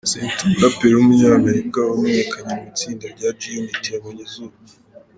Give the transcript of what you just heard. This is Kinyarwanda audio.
Cent, umuraperi w’umunyamerika wamenyekanye mu itsinda rya G-Unit yabonye izuba.